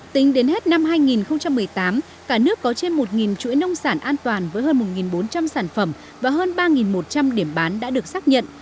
tính đến hết năm hai nghìn một mươi tám cả nước có trên một chuỗi nông sản an toàn với hơn một bốn trăm linh sản phẩm và hơn ba một trăm linh điểm bán đã được xác nhận